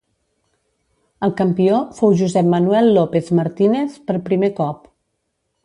El campió fou Josep Manuel López Martínez per primer cop.